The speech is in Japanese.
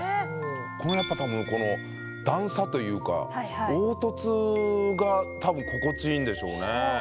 このやっぱ多分この段差というか凹凸が多分心地いいんでしょうね。